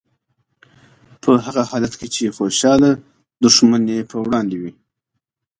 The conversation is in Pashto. په هغه حالت کې چې خوشحاله دښمن یې په وړاندې وي.